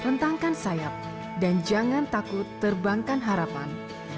rentangkan sayap dan jangan takut terbangkan harapan